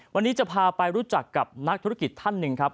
วันนี้จะพาไปรู้จักกับนักธุรกิจท่านหนึ่งครับ